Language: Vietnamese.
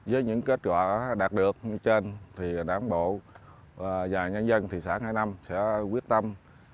với những kết quả đạt được trên thì đám bộ và nhà nhân dân thị xã ngã năm sẽ quyết tâm